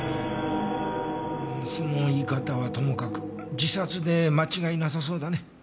その言い方はともかく自殺で間違いなさそうだね。